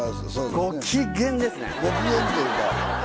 ご機嫌ですね。